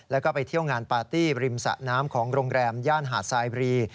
แล้วก็ไปเที่ยวงานปาร์ตี้ริมสะน้ำของโรงแรมย่านหาดทรายบรี